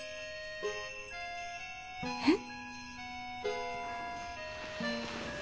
えっ？